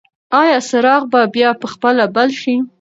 ایا څراغ به بیا په خپله بل شي؟